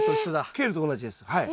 ケールと同じですはい。